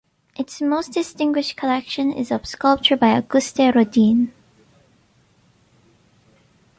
Its most distinguished collection is of sculpture by Auguste Rodin.